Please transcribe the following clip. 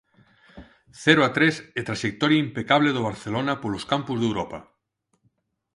Cero a tres e traxectoria impecable do Barcelona polos campos de Europa.